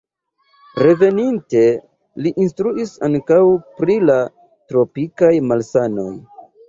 Reveninte li instruis ankaŭ pri la tropikaj malsanoj.